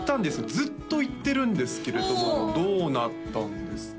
ずっと言ってるんですけれどもどうなったんですか？